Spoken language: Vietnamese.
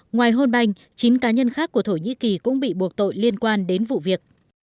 ngoài hôn banh chín cá nhân khác của thổ nhĩ kỳ cũng bị buộc tội liên quan đến vụ việc